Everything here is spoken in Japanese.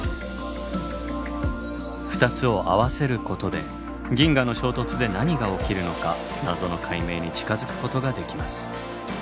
２つを合わせることで銀河の衝突で何が起きるのか謎の解明に近づくことができます。